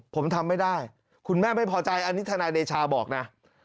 ผมทำไม่ได้คุณแม่ไม่พอใจอันนี้ทนายเดชาบอกนะ